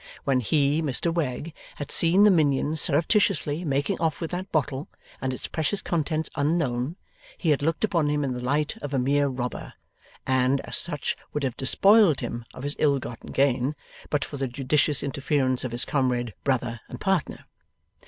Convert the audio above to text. When he, Mr Wegg, had seen the minion surreptitiously making off with that bottle, and its precious contents unknown, he had looked upon him in the light of a mere robber, and, as such, would have despoiled him of his ill gotten gain, but for the judicious interference of his comrade, brother, and partner.